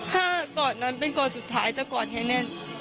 ถ้าก่อนนั้นเป็นก่อนสุดท้ายจะกอดให้แน่น